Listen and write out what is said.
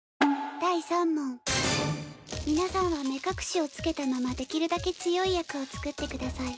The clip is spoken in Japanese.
皆さんは目隠しを着けたままできるだけ強い役を作ってください。